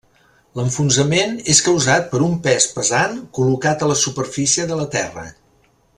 L'enfonsament és causat per un pes pesant col·locat a la superfície de la Terra.